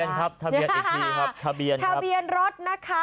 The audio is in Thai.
ทะเบียนครับทะเบียนอีกทีครับทะเบียนรถนะคะ